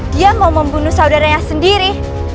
dia mau membunuh saudaranya sendiri